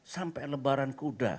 sampai lebaran kuda